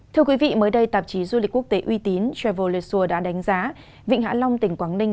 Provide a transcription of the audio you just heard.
thưa quý vị mới đây tạp chí du lịch quốc tế uy tín travel lesur đã đánh giá vịnh hạ long tỉnh quảng ninh